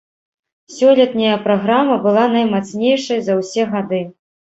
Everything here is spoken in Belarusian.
Сёлетняя праграма была наймацнейшай за ўсе гады.